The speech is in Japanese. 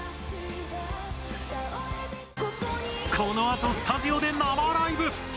このあとスタジオで生ライブ！